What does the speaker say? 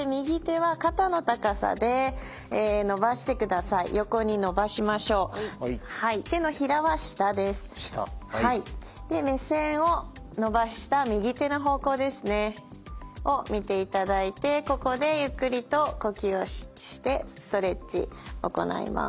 はいで目線を伸ばした右手の方向ですね。を見ていただいてここでゆっくりと呼吸をしてストレッチ行います。